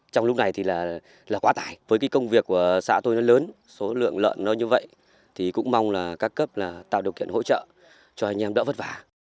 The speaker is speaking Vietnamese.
trong lúc này thì là quá tải với cái công việc của xã tôi nó lớn số lượng lợn nó như vậy thì cũng mong là các cấp là tạo điều kiện hỗ trợ cho anh em đỡ vất vả